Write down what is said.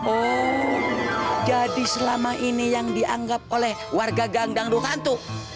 oh jadi selama ini yang dianggap oleh warga gangdang duhantu